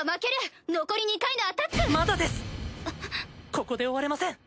ここで終われません！